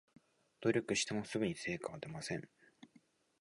努力してもすぐに成果は出ません